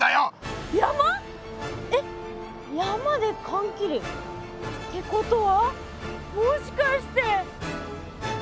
えっ山でかんきり。ってことはもしかして。